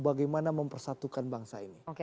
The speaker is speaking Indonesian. bagaimana mempersatukan bangsa ini